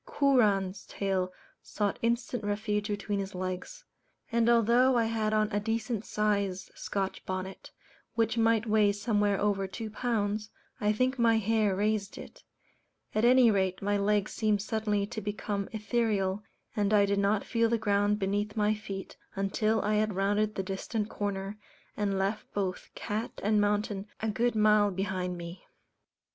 Kooran's tail sought instant refuge between his legs; and although I had on a decent sized Scotch bonnet, which might weigh somewhere over two pounds, I think my hair raised it; at any rate my legs seemed suddenly to become ethereal, and I did not feel the ground beneath my feet until I had rounded the distant corner, and left both cat and mountain a good mile behind me.